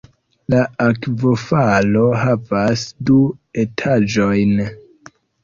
La akvofalo havas du etaĝojn.